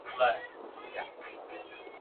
ته یې سل ځله لمبه کړه زه به بل درته لیکمه !.